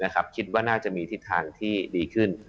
คิดว่าน่าจะมีทิศทางที่ดีขึ้น